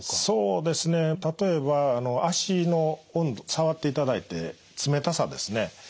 そうですね例えば脚の温度触っていただいて冷たさですね。